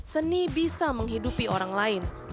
seni bisa menghidupi orang lain